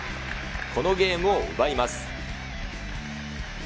このゲームを奪います。